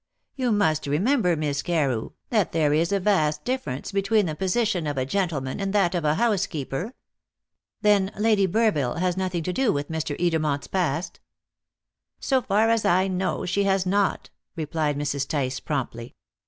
You must remember, Miss Carew, that there is a vast difference between the position of a gentleman and that of a housekeeper." "Then, Lady Burville has nothing to do with Mr. Edermont's past?" "So far as I know she has not," replied Mrs. Tice promptly.